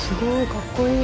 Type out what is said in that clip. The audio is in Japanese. かっこいい。